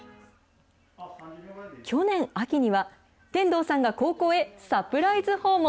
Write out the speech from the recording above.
去年秋には、天童さんが高校へサプライズ訪問。